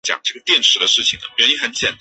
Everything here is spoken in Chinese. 温达特语属于易洛魁语系。